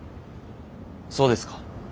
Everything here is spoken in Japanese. そうですか。